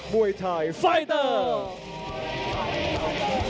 มวยไทยไฟเตอร์